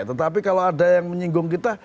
tetapi kalau ada yang menyinggung kita